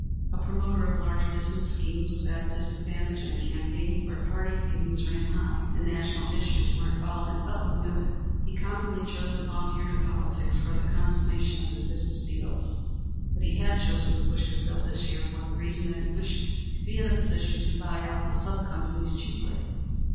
A promoter of large business schemes was at a disadvantage in a campaign where party feelings ran high and national issues were involved, and Elton knew it. He commonly chose an off year in politics for the consummation of his business deals. But he had chosen to push his bill this year for the reason that he wished to be in a position to buy out the sub companies cheaply.